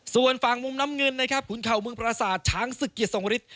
ส่วนฝั่งมุมน้ำเงินนะครับขุนเข่าเมืองปราศาสตร์ช้างศึกยศงฤทธิ์